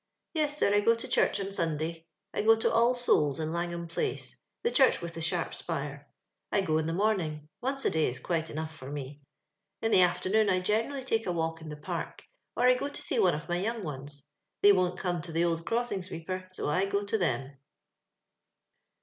*' Yes, sir, I go to church on Run<lay ; I go to All Souls', in Langham place, the church I with the sharp spire. I go in the raominj:; once a day is quite enough for me. In the afternoon, I generally take a walk in the Park. or I go to see one of my young ones ; tliey won't come to the old crossing sweeper, so I go to them."